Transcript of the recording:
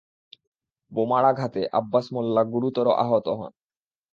বোমার আঘাতে আব্বাস মোল্লা গুরুতর আহত হন।